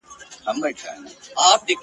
شمع نه په زړه کي دښمني لري !.